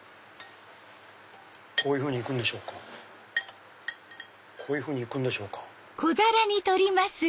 こういうふうにいくんでしょうかこういうふうにいくんでしょうか。